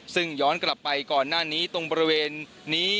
ซึ่งย้อนกลับไปก่อนหน้านี้ตรงบริเวณนี้